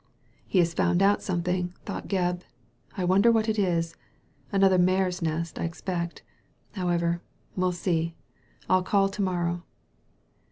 ''He has found out something,*' thought Gebb. *' I wonder what it is ? another mare's nest, I expect. However, we'll see. I'll call to morrow."